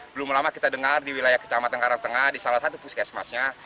belum lama kita dengar di wilayah kecamatan karangtengah di salah satu puskesmasnya